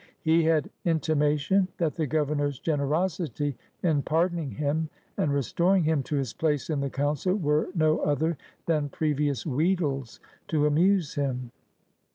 He had ^'intimation that the Governor's generosity in pardoning him and restoring him to his place in the Council were no other than previous wheedles to amuse him.